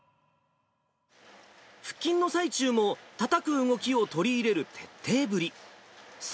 腹筋の最中も、たたく動きを取り入れる徹底ぶり。